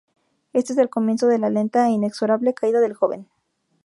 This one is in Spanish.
Este es el comienzo de la lenta e inexorable caída del joven.